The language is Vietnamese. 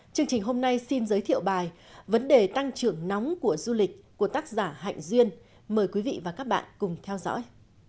chương trình hôm nay xin giới thiệu bài vấn đề tăng trưởng nóng của du lịch của tác giả hạnh duyên mời quý vị và các bạn cùng theo dõi